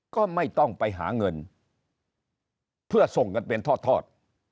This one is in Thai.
ก็ไม่ต้องไปหาเงินเพื่อส่งกันเป็นทอด